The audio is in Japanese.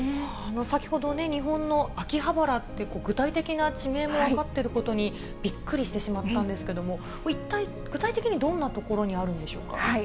先ほどね、日本の秋葉原って具体的な地名も分かってることにびっくりしてしまったんですけども、一体具体的にどんなところにあるんでしょうか。